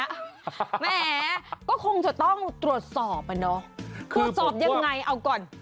แหมก็คงจะต้องตรวจสอบอ่ะเนอะคือสอบยังไงเอาก่อน